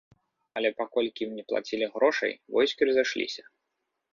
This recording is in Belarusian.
Але паколькі ім не плацілі грошай войскі разышліся.